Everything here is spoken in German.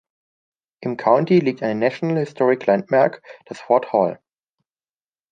Im County liegt eine National Historic Landmark, das Fort Hall.